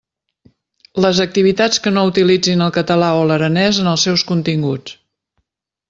Les activitats que no utilitzin el català o l'aranès en els seus continguts.